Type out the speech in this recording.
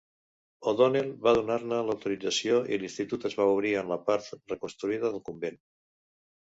O'Donnell va donar-ne l'autorització i l'institut es va obrir en la part reconstruïda del convent.